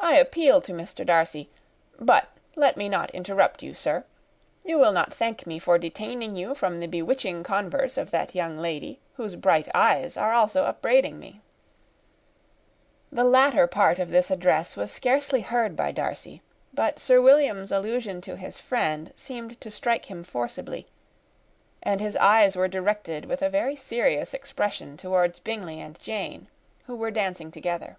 I appeal to Mr. Darcy; but let me not interrupt you, sir. You will not thank me for detaining you from the bewitching converse of that young lady, whose bright eyes are also upbraiding me." [Illustration: "Such very superior dancing is not often seen." [Copyright 1894 by George Allen.]] The latter part of this address was scarcely heard by Darcy; but Sir William's allusion to his friend seemed to strike him forcibly, and his eyes were directed, with a very serious expression, towards Bingley and Jane, who were dancing together.